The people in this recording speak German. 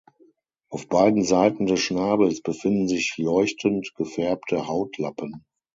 Auf beiden Seiten des Schnabels befinden sich leuchtend gefärbte Hautlappen.